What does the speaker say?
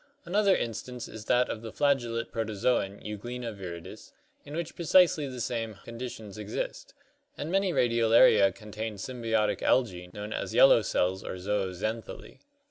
5). Another 42 ORGANIC EVOLUTION instance is that of the flagellate protozoon Euglena viridis in which precisely the same conditions exist, and many Radiolaria contain symbiotic algae known as "yellow cells" or zooxanthellae.